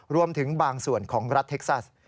รวมถึงบางส่วนของรัฐเท็กซัส